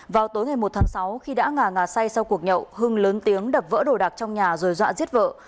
vào tối ngày một tháng sáu khi đã ngà ngà say sau cuộc nhậu hưng lớn tiếng đập vỡ đồ đạc trong nhà rồi dọa giết vợ